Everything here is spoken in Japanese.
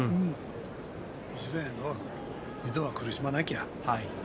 一度は苦しまなきゃ。